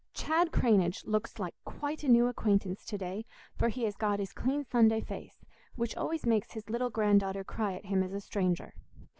Chad Cranage looks like quite a new acquaintance to day, for he has got his clean Sunday face, which always makes his little granddaughter cry at him as a stranger.